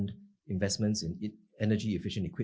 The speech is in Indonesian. dalam peralatan yang efisien energi